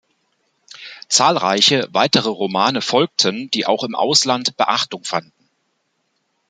Zahlreiche weitere Romane folgten, die auch im Ausland Beachtung fanden.